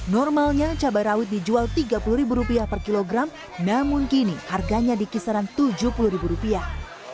normalnya cabai rawit dijual tiga puluh rupiah per kilogram namun kini harganya di kisaran tujuh puluh ribu rupiah